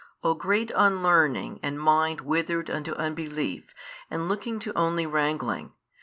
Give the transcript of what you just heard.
O great unlearning and mind withered unto unbelief and looking to only wrangling!